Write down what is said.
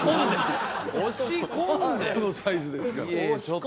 このサイズですからギュッ！